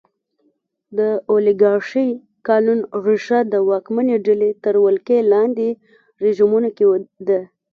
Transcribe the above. د اولیګارشۍ قانون ریښه د واکمنې ډلې تر ولکې لاندې رژیمونو کې ده.